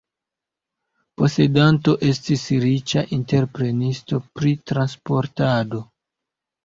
Posedanto estis riĉa entreprenisto pri transportado.